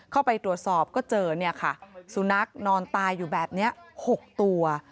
เข้าไปตรวจสอบก็เจอเนี่ยค่ะสุนัขนอนตายอยู่แบบนี้๖ตัว